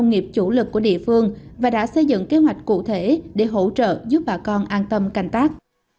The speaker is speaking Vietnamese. nông nghiệp chủ lực của địa phương và đã xây dựng kế hoạch cụ thể để hỗ trợ giúp bà con an tâm canh tác